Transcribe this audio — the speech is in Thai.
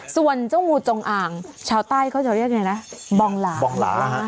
ส่วนเจ้างูจงอางชาวใต้เขาจะเรียกยังไงนะ